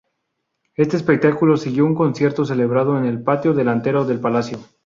Este espectáculo siguió un concierto celebrado en el patio delantero del Palacio.